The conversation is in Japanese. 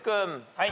はい。